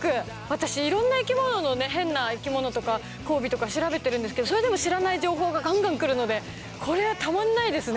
私いろんな生きもののね変な生きものとか交尾とか調べているんですけどそれでも知らない情報がガンガンくるのでこれはたまんないですね